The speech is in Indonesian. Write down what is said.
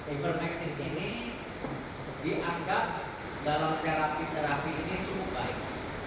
ivermective ini dianggap dalam terapi terapi ini cukup baik